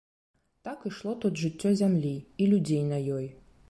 Так ішло тут жыццё зямлі і людзей на ёй.